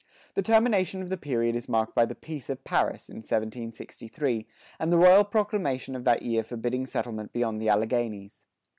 The termination of the period is marked by the Peace of Paris in 1763, and the royal proclamation of that year forbidding settlement beyond the Alleghanies.